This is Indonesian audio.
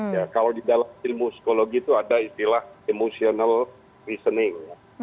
ya kalau di dalam ilmu psikologi itu ada istilah emotional reasoning ya